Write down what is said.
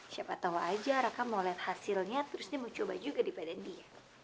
siapa tau aja raka mau lihat hasilnya terus dia mau coba juga di badan dia